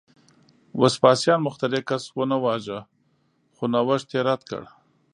وسپاسیان مخترع کس ونه واژه، خو نوښت یې رد کړ